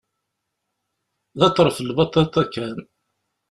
D aḍref n lbaṭaṭa kan.